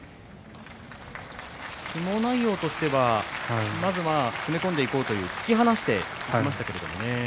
相撲内容としてはまずは攻め込んでいこうという突き放していきましたけれどもね。